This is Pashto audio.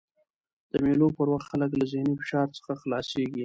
د مېلو پر وخت خلک له ذهني فشار څخه خلاصيږي.